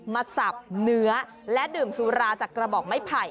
สับเนื้อและดื่มสุราจากกระบอกไม้ไผ่